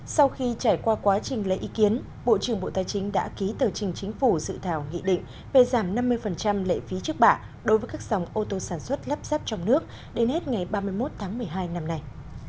sau khi trải qua quá trình lấy ý kiến bộ trưởng bộ tài chính đã ký tờ trình chính phủ dự thảo nghị định về giảm năm mươi lệ phí trước bạ đối với các dòng ô tô sản xuất lắp ráp trong nước đến hết ngày ba mươi một tháng một mươi hai năm nay